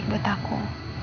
ambil pada awful